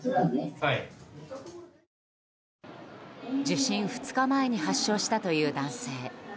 受診２日前に発症したという男性。